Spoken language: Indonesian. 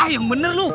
ah yang bener lo